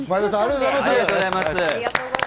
前田さん、ありがとうございます。